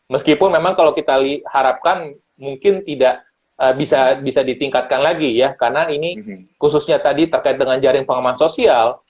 meskipun memang kalau kita harapkan mungkin tidak bisa ditingkatkan lagi ya karena ini khususnya tadi terkait dengan jaring pengaman sosial